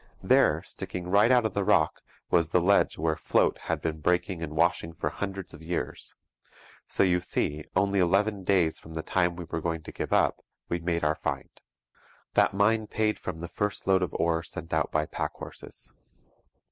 There, sticking right out of the rock, was the ledge where "float" had been breaking and washing for hundreds of years; so you see, only eleven days from the time we were going to give up, we made our find. That mine paid from the first load of ore sent out by pack horses.'